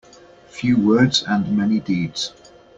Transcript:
Few words and many deeds.